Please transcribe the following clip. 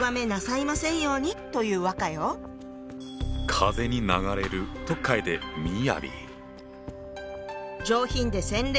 風に流れると書いて「みやび」。